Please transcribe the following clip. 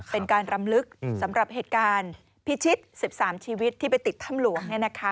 เป็นการรำลึกสำหรับเหตุการณ์พิชิต๑๓ชีวิตที่ไปติดถ้ำหลวง